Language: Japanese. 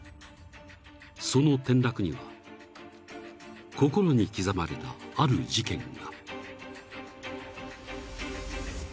［その転落には心に刻まれたある事件が］